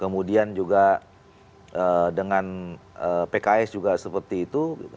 kemudian juga dengan pks juga seperti itu